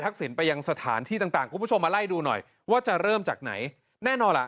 คุณผู้ชมมาไล่ดูหน่อยว่าจะเริ่มจากไหนแน่นอนละ